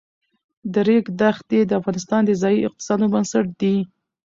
د ریګ دښتې د افغانستان د ځایي اقتصادونو بنسټ دی.